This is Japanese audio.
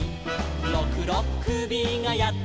「ろくろっくびがやってきた」